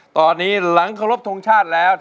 ตอนนี้หลังเคารพทงชาติแล้ว